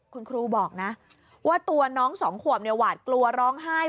คุณครูบอกนะว่าตัวน้องสองขวบเนี่ยหวาดกลัวร้องไห้